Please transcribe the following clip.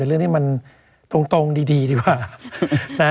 เรื่องที่มันตรงดีดีกว่า